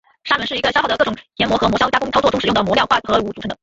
砂轮是一个消耗的各种研磨和磨削加工操作中使用的磨料化合物组成的。